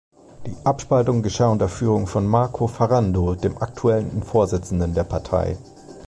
Die Abspaltung geschah unter Führung von Marco Ferrando, dem aktuellen Vorsitzenden der Partei.